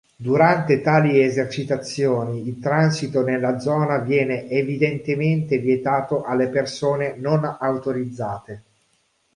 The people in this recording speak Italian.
Durante tali esercitazioni il transito nella zona viene evidentemente vietato alle persone non autorizzate.